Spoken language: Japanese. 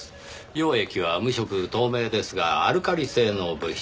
溶液は無色透明ですがアルカリ性の物質